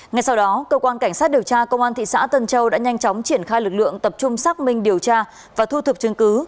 ngay sau đó cơ quan cảnh sát điều tra công an thị xã tân châu đã nhanh chóng triển khai lực lượng tập trung xác minh điều tra và thu thập chứng cứ